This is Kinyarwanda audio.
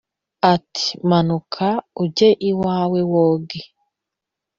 Ati manuka ujye iwawe woge